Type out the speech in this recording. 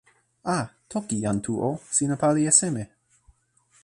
a! toki, jan Tu o! sina pali e seme?